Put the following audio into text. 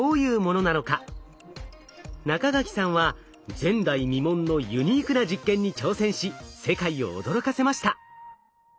中垣さんは前代未聞のユニークな実験に挑戦し世界を驚かせました。